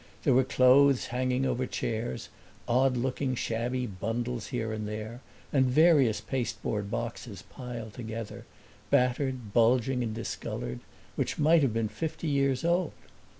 There were clothes hanging over chairs, odd looking shabby bundles here and there, and various pasteboard boxes piled together, battered, bulging, and discolored, which might have been fifty years old.